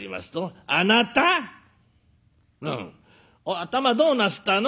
「頭どうなすったの？」。